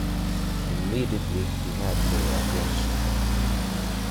Immediately he had her attention.